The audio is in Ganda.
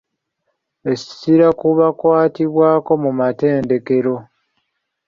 Essira ku bakwatibwako mu matendekero.